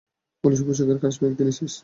পুলিশের পোশাকের কারিশমা একদিনেই শেষ?